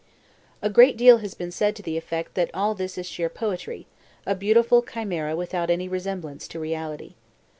A great deal has been said to the effect that all this is sheer poetry, a beautiful chimera without any resemblance to reality.